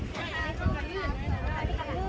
สวัสดีครับทุกคน